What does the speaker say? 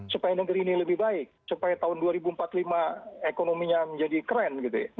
supaya negeri ini lebih baik supaya tahun dua ribu empat puluh lima ekonominya menjadi keren gitu ya